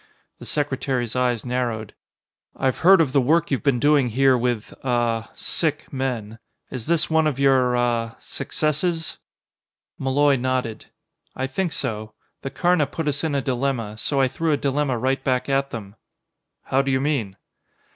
The secretary's eyes narrowed. "I've heard of the work you've been doing here with ... ah ... sick men. Is this one of your ... ah ... successes?" Malloy nodded. "I think so. The Karna put us in a dilemma, so I threw a dilemma right back at them." "How do you mean?"